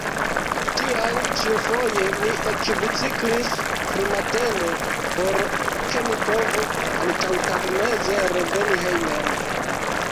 Tial ĉiufoje mi ekbiciklis frumatene, por ke mi povu antaŭtagmeze reveni hejmen.